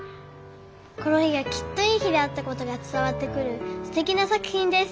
この日がきっといい日であったことが伝わってくるすてきな作品です」。